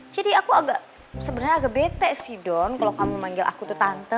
jadi aku agak sebenernya agak bete sih don kalo kamu manggil aku tuh tante